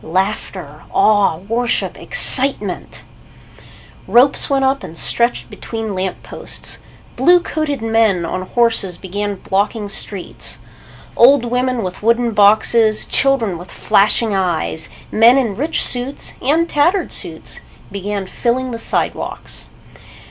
Laughter, awe, worship, excitement! Ropes went up and stretched between lamp posts. Blue coated men on horses began blocking streets. Old women with wooden boxes, children with flashing eyes, men in rich suits and tattered suits began filling the sidewalks.